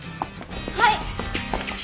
はい！